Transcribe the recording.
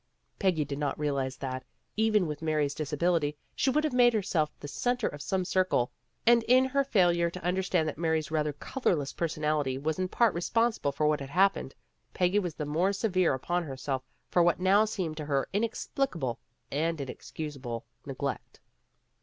Peggy did not realize that, even with Mary's disability, she would have made herself the cen ter of some circle ; and in her failure to under stand that Mary's rather colorless personality was in part responsible for what had happened, Peggy was the more severe upon herself for what now seemed to her inexplicable and inex cusable neglect.